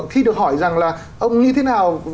khi được hỏi rằng là ông như thế nào